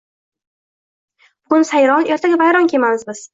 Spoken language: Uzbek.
Bugun sayron, erta vayron kemamiz biz.